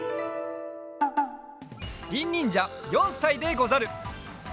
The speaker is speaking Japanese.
りんにんじゃ４さいでござる。